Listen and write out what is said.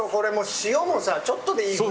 塩もちょっとでいいね。